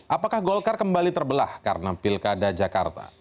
apakah golkar kembali terbelah karena pilkada jakarta